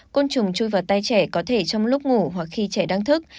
côn trùng chui vào tay trẻ có thể trong lúc ngủ hoặc khi trẻ đang thức